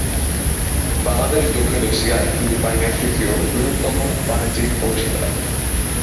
বাংলাদেশ দক্ষিণ এশিয়ায় ফিলিপাইনের তৃতীয় বৃহত্তম বাণিজ্যিক অংশীদার।